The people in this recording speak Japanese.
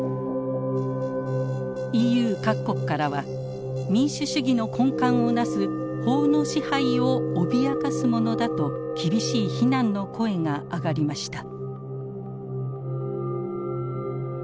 ＥＵ各国からは民主主義の根幹を成す法の支配を脅かすものだと厳しい非難の声が上がりました。